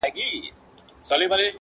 د ښکلیو نجونو شاپېریو وطن-